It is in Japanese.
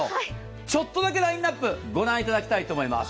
ちょっとだけラインナップを御覧いただきたいと思います。